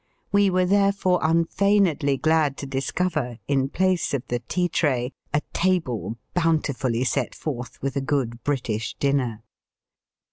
We were therefore unfeignedly glad to discover, in place of the tea tray, a table bountifully set forth with a good British dinner.